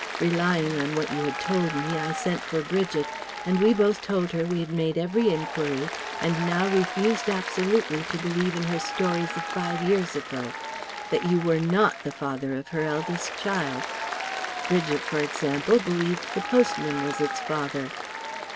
Relying on what you had told me I sent for Bridget and we both told her we had made every enquiry and now refused absolutely to believe in her stories of five years ago that we were sure you were not the father of her eldest child. Bridget, for example, believed the postman was its father.